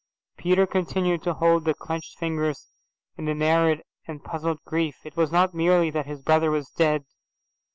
Peter continued to hold the clenched fingers in an arid and puzzled grief. It was not merely that his brother was dead.